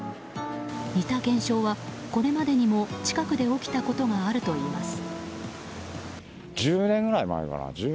似た現象はこれまでにも近くで起きたことがあるといいます。